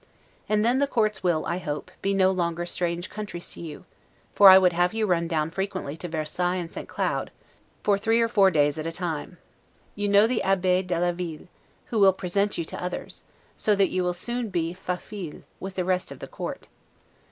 And then the courts will, I hope, be no longer strange countries to you; for I would have you run down frequently to Versailles and St. Cloud, for three or four days at a time. You know the Abbe de la Ville, who will present you to others, so that you will soon be 'faufile' with the rest of the court.